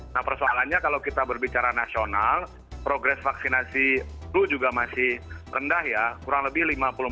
nah persoalannya kalau kita berbicara nasional progres vaksinasi itu juga masih rendah ya kurang lebih lima puluh empat